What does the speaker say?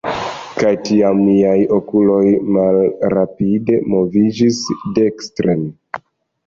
kaj tiam miaj okuloj malrapide moviĝis dekstren